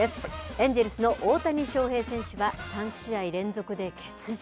エンジェルスの大谷翔平選手が３試合連続で欠場。